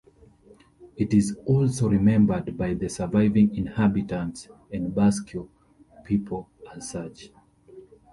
It is also remembered by the surviving inhabitants and Basque people as such.